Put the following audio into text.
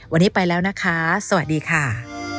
วันนี้ไปแล้วนะคะสวัสดีค่ะ